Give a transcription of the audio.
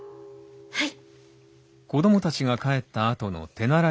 はい！